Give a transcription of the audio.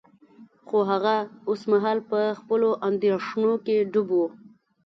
خو هغه اوس مهال په خپلو اندیښنو کې ډوب و